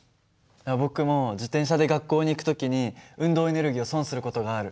僕も自転車で学校に行く時に運動エネルギーを損する事がある。